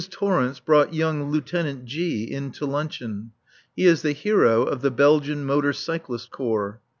Torrence brought young Lieutenant G in to luncheon. He is the hero of the Belgian Motor Cyclist Corps.